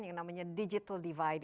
yang namanya digital divide